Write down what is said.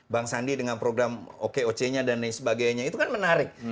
bang sandi dengan program okoc nya dan lain sebagainya itu kan menarik